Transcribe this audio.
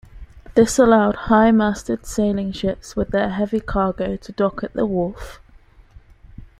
This allowed high-masted sailing ships with their heavy cargo to dock at the wharf.